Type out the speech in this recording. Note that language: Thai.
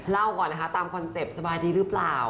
ก่อนนะคะตามคอนเซ็ปต์สบายดีหรือเปล่า